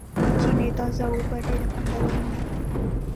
د چينې تازه اوبه ډېرې خوندورېوي